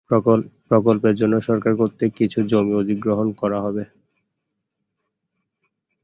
প্রকল্পের জন্য সরকার কর্তৃক কিছু জমি অধিগ্রহণ করা হবে।